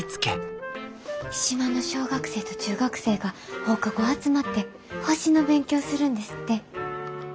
島の小学生と中学生が放課後集まって星の勉強するんですって。